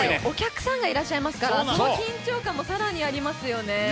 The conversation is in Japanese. お客さんがいらっしゃいますから、その緊張感も更にありますよね。